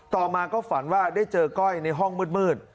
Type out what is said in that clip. ต่อมาก็ฝันว่าได้เจอก้อยในห้องมืด